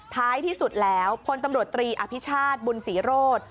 ท้ายที่สุดแล้วพลตำรวจตรีอภิชาติบุญศรีโรธ